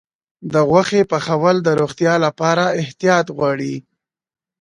د غوښې پخول د روغتیا لپاره احتیاط غواړي.